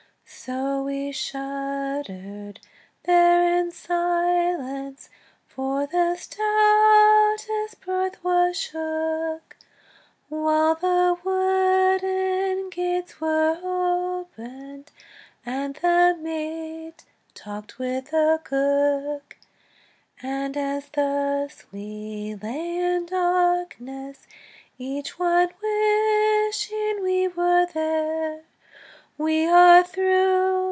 So we shuddered there in silence, For the stoutest berth was shook, While the wooden gates were opened And the mate talked with the cook. And as thus we lay in darkness, Each one wishing we were there, "We are through!"